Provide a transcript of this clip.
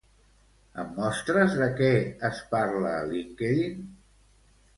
Em mostres de què es parla a LinkedIn?